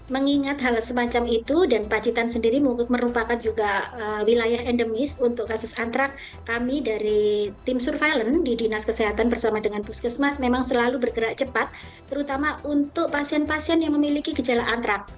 mengingat hal semacam itu dan pacitan sendiri merupakan juga wilayah endemis untuk kasus antraks